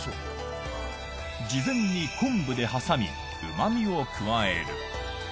事前に昆布で挟み、うまみを加える。